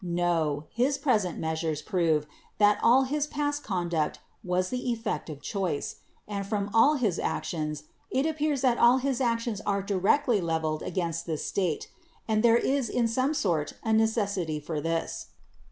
No, his present measures prove that all his past conduct was the effect of choice ; and from all his actions, it appears that all his actions are directly leveled against this state ; and there is in some sort a necessity for this.